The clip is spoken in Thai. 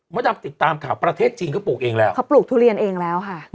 ดำติดตามข่าวประเทศจีนเขาปลูกเองแล้วเขาปลูกทุเรียนเองแล้วค่ะ